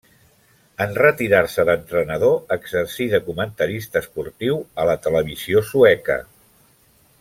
En retirar-se d'entrenador exercí de comentarista esportiu a la televisió sueca.